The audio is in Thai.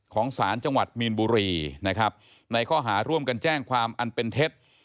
ของศาลจังหวัดมีนบุรีนะครับในข้อหาร่วมกันแจ้งความอันเป็นเท็จ